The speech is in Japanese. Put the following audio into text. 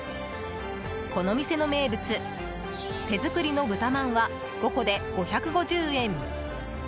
この店の名物手作りの豚まんは５個で５５０円。